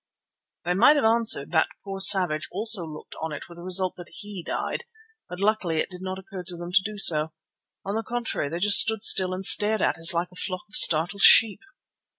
They might have answered that poor Savage also looked on it with the result that he died, but luckily it did not occur to them to do so. On the contrary, they just stood still and stared at us like a flock of startled sheep.